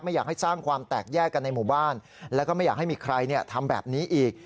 อยากให้สร้างความแตกแยกกันในหมู่บ้านแล้วก็ไม่อยากให้มีใครทำแบบนี้อีก